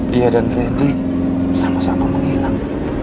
dia dan friendly sama sama menghilang